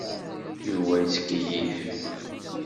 Yuba yettkeyyif.